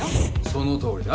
そのとおりよ。